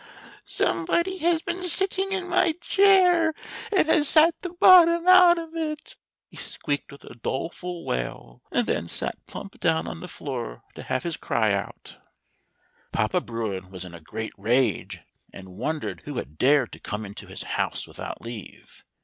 '' Somebody has been sitting in my chair, and has sat the bottom out of it!" he squeaked with a doleful wail, and then sat plump down on the floor to have his cry out. 117 THE THREE BEARS. Papa Bruin was in a great rage, and wondered who had dared to come into his house without leave.